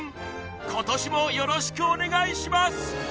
今年もよろしくお願いします